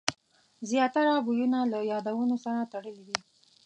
زیاتره بویونه له یادونو سره تړلي وي.